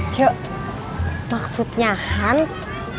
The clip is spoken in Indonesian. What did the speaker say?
ce maksudnya hans